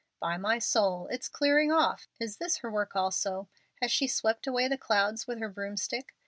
"By my soul! it's clearing off. Is this her work also? Has she swept away the clouds with her broomstick?